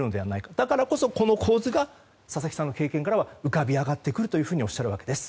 だからこそ、この構図が佐々木さんの経験からは浮かび上がってくるとおっしゃるわけです。